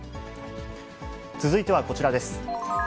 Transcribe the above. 続いてはこちらです。